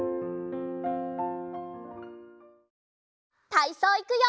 たいそういくよ！